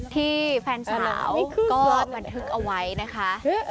ที่แฟนสาวก็บันทึกเอาไว้นะคะ